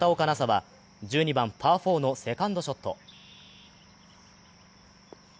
紗は１２番パー４のセカンドショット。